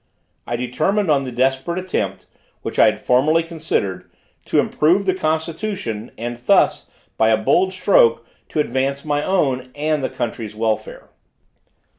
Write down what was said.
I determined on the desperate attempt, which I had formerly considered, to improve the constitution, and thus, by a bold stroke, to advance my own and the country's welfare.